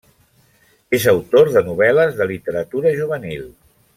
És autor de novel·les de literatura juvenil.